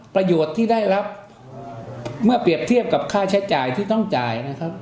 ประโยชน์ที่ได้รับเมื่อเปรียบเทียบกับค่าใช้จ่ายที่ต้องจ่ายนะครับ